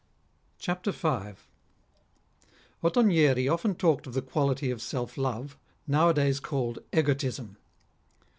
CHAPTEE y. Ottonieri often talked of the quality of self love, nowa days called egotism.